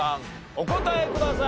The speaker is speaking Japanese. お答えください。